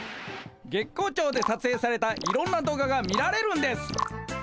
月光町でさつえいされたいろんな動画が見られるんです。